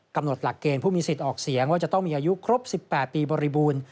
หลักเกณฑ์ผู้มีสิทธิ์ออกเสียงว่าจะต้องมีอายุครบ๑๘ปีบริบูรณ์